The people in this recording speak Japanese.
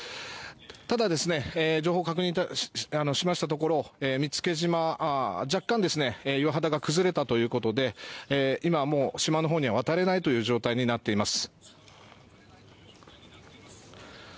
ただ、情報を確認しましたところ見附島、若干岩肌が崩れたということで今もう島のほうに渡れない状態になっています。